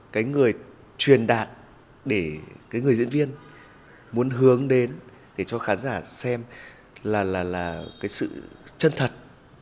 cái người truyền đạt để cái người diễn viên muốn hướng đến để cho khán giả xem là cái sự chân thật